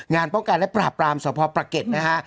ป้องกันและปราบปรามสพประเก็ตนะฮะ